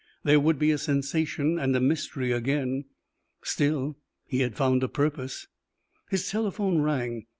There would be a sensation and a mystery again. Still, he had found a purpose. His telephone rang.